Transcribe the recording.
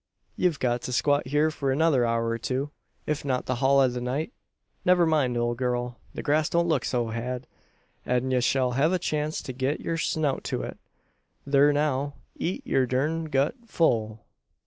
Ye've got to squat hyur for another hour or two if not the hul o' the night. Never mind, ole gurl! The grass don't look so had; an ye shell hev a chance to git yur snout to it. Thur now eet your durned gut full!"